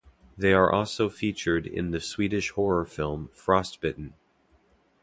They are also featured in the Swedish horror film Frostbiten.